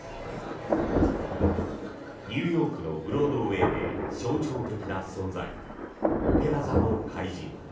ニューヨークのブロードウェーで象徴的な存在「オペラ座の怪人」。